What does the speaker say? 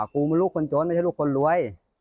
กูมันลูกคนโจรไม่ใช่ลูกคนรวย